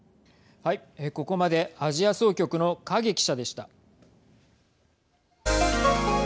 ここまでアジア総局の影記者でした。